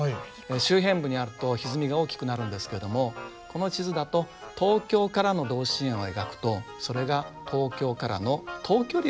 周辺部にあるとひずみが大きくなるんですけれどもこの地図だと東京からの同心円を描くとそれが東京からの等距離を示す線になるんです。